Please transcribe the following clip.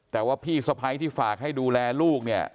แต่ว่าพี่สะพ้ายที่ฝากให้ดูแลลูกเนี่ย